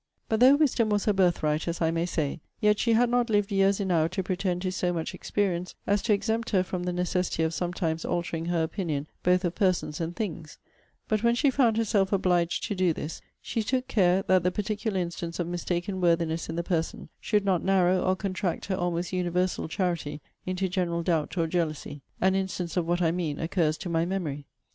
But though wisdom was her birthright, as I may say, yet she had not lived years enow to pretend to so much experience as to exempt her from the necessity of sometimes altering her opinion both of persons and things; but, when she found herself obliged to do this, she took care that the particular instance of mistaken worthiness in the person should not narrow or contract her almost universal charity into general doubt or jealousy. An instance of what I mean occurs to my memory.